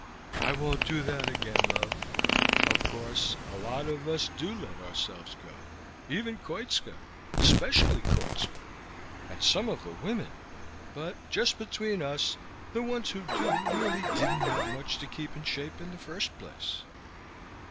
"I won't do that again, love. Of course, a lot of us do let ourselves go. Even Koitska. Especially Koitska. And some of the women But just between us, the ones who do really didn't have much to keep in shape in the first place."